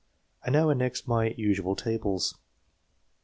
I now annex my usual tables.